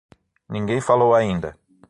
Ninguém falou ainda.